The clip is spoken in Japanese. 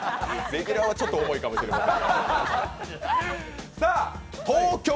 レギュラーはちょっと重いかもしれない。